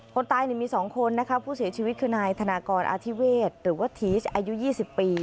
คนตายมี๒คนนะคะผู้เสียชีวิตคือนายธนากรอธิเวศหรือว่าทีสอายุ๒๐ปี